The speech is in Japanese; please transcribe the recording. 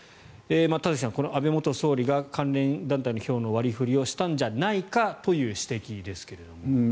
田崎さん、安倍元総理が関連団体の票の割り振りをしたんじゃないかという指摘ですけれども。